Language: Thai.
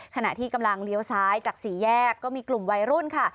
ขณะที่กำลังเลี้ยวซ้ายจากสี่แยกก็มีกลุ่มวัยรุ่นค่ะ